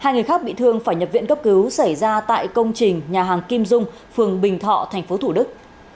hai người khác bị thương phải nhập viện cấp cứu xảy ra tại công trình nhà hàng kim dung phường bình thọ tp thủ đức